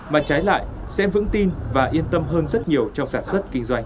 mà trái lại sẽ vững tin và yên tâm hơn rất nhiều trong sản xuất kinh doanh